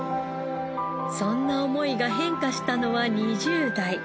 そんな思いが変化したのは２０代。